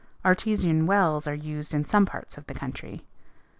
Artesian wells are used in some parts of the country.